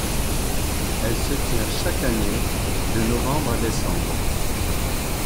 Elle se tient chaque année de novembre à décembre.